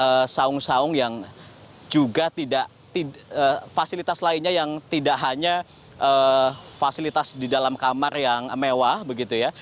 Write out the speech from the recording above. ada saung saung yang juga tidak fasilitas lainnya yang tidak hanya fasilitas di dalam kamar yang mewah begitu ya